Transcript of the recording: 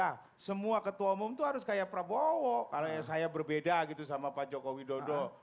nah semua ketua umum itu harus kayak prabowo karena saya berbeda gitu sama pak joko widodo